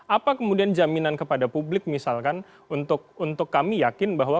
apa kemudian jaminan kepada publik misalkan untuk kami yakin bahwa